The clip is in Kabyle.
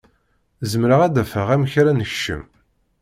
Zemreɣ ad d-afeɣ amek ara nekcem.